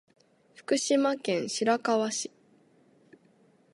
福島県白河市